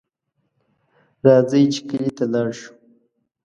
راځئ چې کلي ته لاړ شو